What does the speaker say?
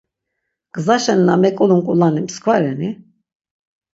Gzaşen na meǩulun ǩulani mskva reni?